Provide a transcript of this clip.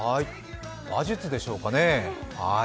馬術でしょうかね。